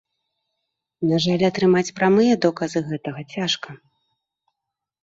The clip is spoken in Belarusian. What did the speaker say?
На жаль, атрымаць прамыя доказы гэтага цяжка.